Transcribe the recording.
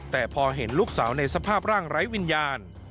แต่พอเห็นลูกสาวในสภาพร่างไร้วิญญาณ